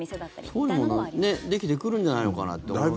そういうのもできてくるんじゃないのかなって思いますよね。